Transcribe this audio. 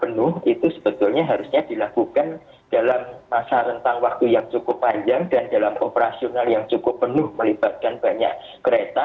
penuh itu sebetulnya harusnya dilakukan dalam masa rentang waktu yang cukup panjang dan dalam operasional yang cukup penuh melibatkan banyak kereta